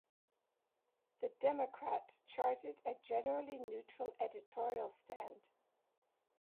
The "Democrat" charted a generally neutral editorial stand.